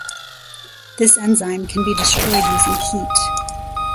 This enzyme can be destroyed using heat.